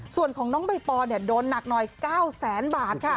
ส่วนของน้องใบปอโดนหนักหน่อย๙แสนบาทค่ะ